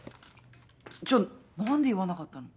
じゃ何で言わなかったの？